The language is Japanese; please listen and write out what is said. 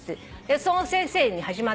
その先生に始まって。